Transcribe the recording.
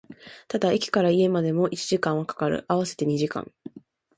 ただ、駅から家までも一時間は掛かる、合わせて二時間